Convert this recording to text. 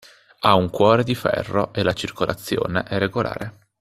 Ha un cuore di ferro e la circolazione è regolare.